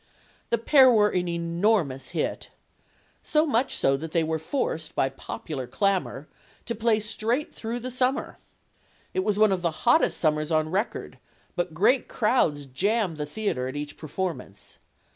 The pair were an enormous hit. So much so that they were forced, by popular clamor, to play straight through the summer. It was one of the hottest sum PEG WOFFINGTON 51 mers on record, but great crowds jammed the theater at each performance.